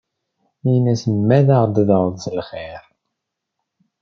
Ini-as ma aɣ-d-tedɛuḍ s lxir?